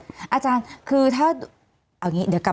มีความรู้สึกว่ามีความรู้สึกว่า